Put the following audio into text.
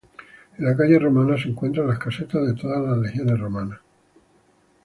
En la calle romana se encuentran las casetas de todas las legiones romanas.